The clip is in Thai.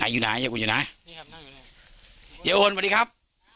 ยาโอนสวัสดีครับ